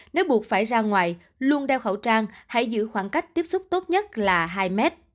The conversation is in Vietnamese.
nếu buộc phải ra ngoài luôn đeo khẩu trang hãy giữ khoảng cách tiếp xúc tốt nhất là hai mét